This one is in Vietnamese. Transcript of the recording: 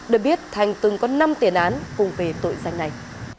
được biết thành từng có năm tiền án cùng về tội danh này